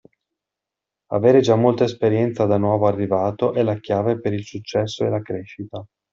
Avere già molta esperienza da nuovo arrivato è la chiave per il successo e la crescita.